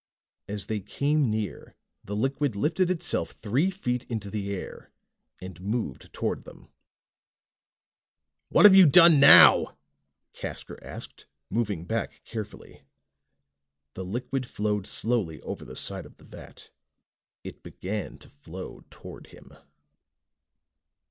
As they came near, the liquid lifted itself three feet into the air and moved toward them. "What've you done now?" Casker asked, moving back carefully. The liquid flowed slowly over the side of the vat. It began to flow toward him.